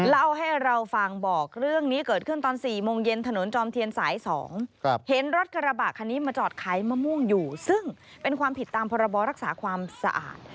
เล่าให้เราฟังบอกเรื่องนี้เกิดขึ้นตอน๔โมงเย็นถนนจอมเทียนสาย๒เห็นรถกระบะคันนี้มาจอดขายมะม่วงอยู่ซึ่งเป็นความผิดตามพรบรักษาความสะอาด